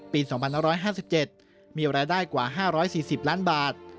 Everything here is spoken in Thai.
ปี๒๕๕๗มีรายได้กว่า๕๔๐ล้านบาท